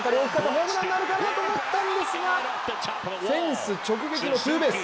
ホームランになるかなと思ったんですがフェンス直撃のツーベース。